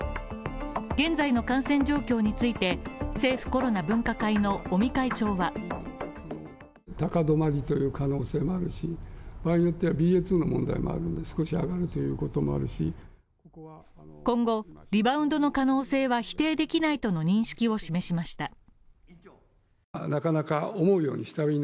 現在の感染状況について、政府コロナ分科会の尾身会長は今後、リバウンドの可能性は否定できないとの認識を示しました。